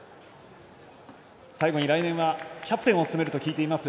最後に来年はキャプテンを務めると聞いています。